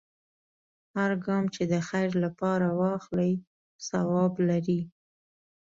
هر ګام چې د خیر لپاره واخلې، ثواب لري.